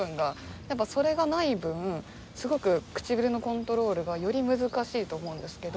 やっぱりそれがない分すごく唇のコントロールがより難しいと思うんですけど。